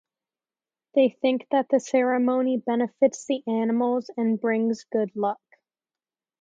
They think that the ceremony benefits the animals and brings good luck.